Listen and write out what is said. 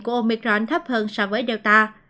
của omicron thấp hơn so với delta